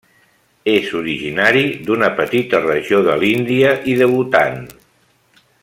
És originari d'una petita regió de l'Índia i de Bhutan.